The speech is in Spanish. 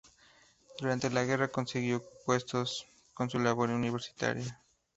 Durante la guerra compaginó estos puestos con su labor universitaria.